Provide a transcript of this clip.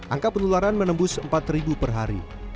angka penularan menembus empat per hari